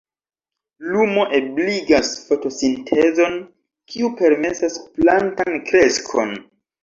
Lumo ebligas fotosintezon, kiu permesas plantan kreskon.